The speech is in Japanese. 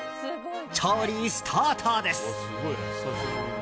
調理スタートです。